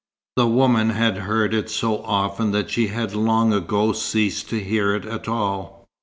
The woman had heard it so often that she had long ago ceased to hear it at all.